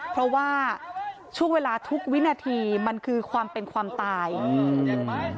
เพราะว่าช่วงเวลาทุกวินาทีมันคือความเป็นความตายอืม